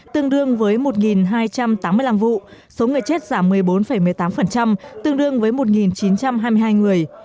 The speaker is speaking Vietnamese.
tương đương với một hai trăm tám mươi năm vụ số người chết giảm một mươi bốn một mươi tám tương đương với một chín trăm hai mươi hai người